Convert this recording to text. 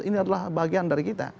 ini adalah bagian dari kita